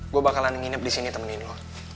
gue bakalan nginep disini temenin lo